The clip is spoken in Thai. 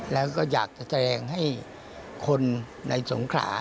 แล้วก็อยากจะแสดงให้คนในสงขรา